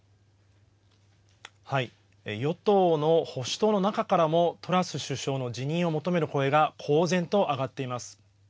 与党の保守党の中からもトラス首相の辞任を求める声が公然と上がっています。